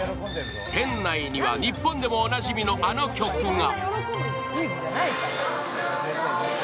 店内には日本でもおなじみのあの曲が。